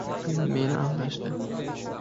— Meni aldashdi!